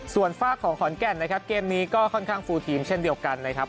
ส่วนฝากของขอนแก่นนะครับเกมนี้ก็ค่อนข้างฟูลทีมเช่นเดียวกันนะครับ